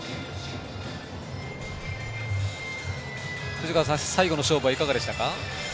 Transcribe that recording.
藤川さん、最後の勝負はいかがでしたか？